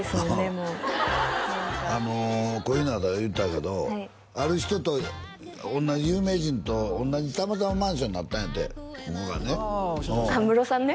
もう小日向が言うてたけどある人と同じ有名人と同じたまたまマンションになったんやってここがねあっムロさんね